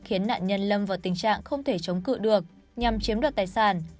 khiến nạn nhân lâm vào tình trạng không thể chống cự được nhằm chiếm đoạt tài sản